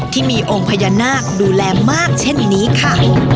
ที่มีองค์พญานาคดูแลมากเช่นนี้ค่ะ